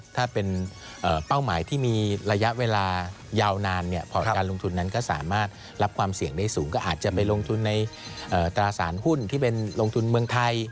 ถ้าเป็นเป้าหมายที่มีระยะเวลายาวนานเนี่ยพอร์ตการลงทุนนั้นก็สามารถรับความเสี่ยงได้สูงก็อาจจะไปลงทุนในตราสารหุ้นที่เป็นลงทุนเมืองไทย